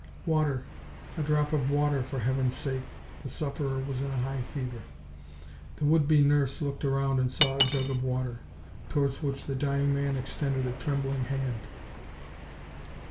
"Water, a drop of water, for Heaven's sake!" The sufferer was in a high fever. The would be nurse looked round and saw a jug of water, towards which the dying man extended a trembling hand.